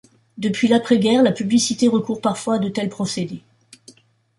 Depuis l’après-guerre, la publicité recourt parfois à de tels procédés.